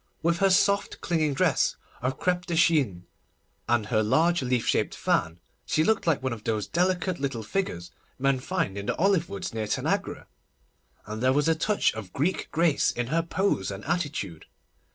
With her soft, clinging dress of crêpe de chine, and her large leaf shaped fan, she looked like one of those delicate little figures men find in the olive woods near Tanagra; and there was a touch of Greek grace in her pose and attitude.